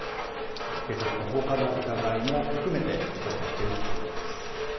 警察は放火の疑いも含めて捜査をしているということです。